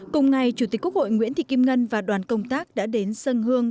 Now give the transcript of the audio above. cùng ngày chủ tịch quốc hội nguyễn thị kim ngân và đoàn công tác đã đến sân hương